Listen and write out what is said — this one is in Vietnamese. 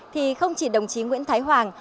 thì không chỉ đồng chí nguyễn thái hoàng